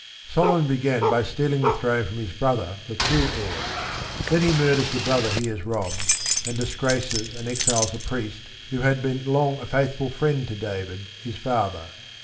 Solomon began by stealing the throne from his brother, the true heir. Then he murders the brother he has robbed, and disgraces and exiles a priest, who had been long a faithful friend to David, his father.